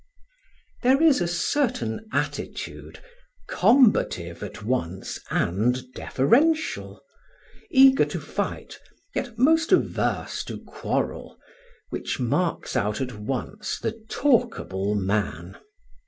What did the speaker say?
There is a certain attitude, combative at once and deferential, eager to fight yet most averse to quarrel, which marks out at once the talkable man.